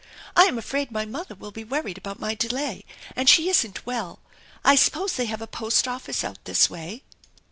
I am afraid my mother will be worried about my delay and she isn't well. I suppose they have a post office out this way."